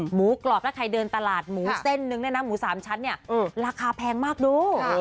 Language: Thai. หมูกรอบและไข่เดินตลาดหมูเส้นหนึ่งหมูสามชั้นราคาแพงมากดู